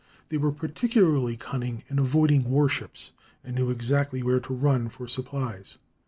They were particularly cunning in avoiding war ships, and knew exactly where to run for supplies.